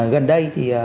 gần đây thì